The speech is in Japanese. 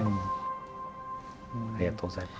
ありがとうございます。